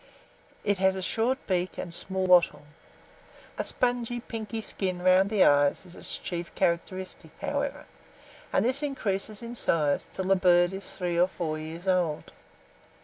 It has a short beak and a small wattle. A spongy, pinky skin round the eyes is its chief characteristic, however, and this increases in size till the bird is three or four years old.